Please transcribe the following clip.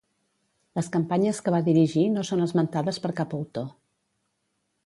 Les campanyes que va dirigir no són esmentades per cap autor.